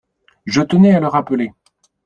Je tenais à le rappeler.